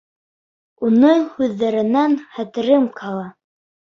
Уның һүҙҙәренән хәтерем ҡала.